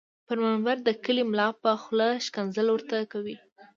پر منبر د کلي دملا په خوله ښکنځل ورته کوي